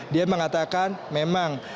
dia mengatakan memang